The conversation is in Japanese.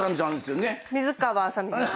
水川あさみです。